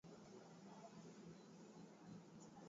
anaweza kuwa marafiki wao kwa urahisi Watu kama hao